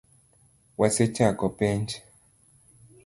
Wasechako penj